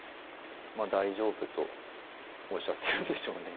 まあ大丈夫とおっしゃってるんでしょうね。